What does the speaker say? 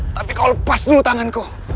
tapi kau lepas dulu tanganku